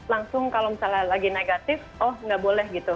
langsung kalau misalnya lagi negatif oh nggak boleh gitu